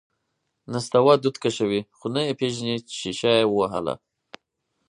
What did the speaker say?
نستوه دود کشوي، خو نه یې پېژني چې شیشه یې ووهله…